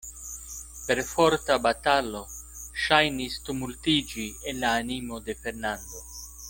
Perforta batalo ŝajnis tumultiĝi en la animo de Fernando.